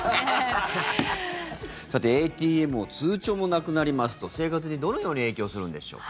さてＡＴＭも通帳もなくなりますと生活にどのように影響するんでしょう。